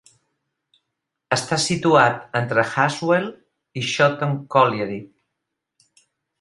Està situat entre Haswell i Shotton Colliery.